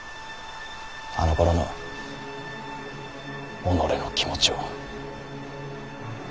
あのころの己の気持ちを。